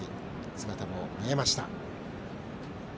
姿も見えました。